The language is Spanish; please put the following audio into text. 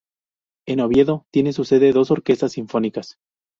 En Oviedo tienen su sede dos orquestas sinfónicas.